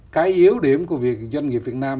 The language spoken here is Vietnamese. cái yếu điểm của việc doanh nghiệp việt nam